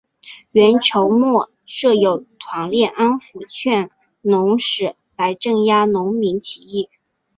元朝末设有团练安辅劝农使来镇压农民起义。